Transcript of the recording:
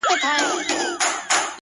بغاوت دی سرکښي ده _ زندگي د مستۍ نوم دی